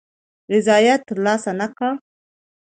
رضاییت تر لاسه نه کړ.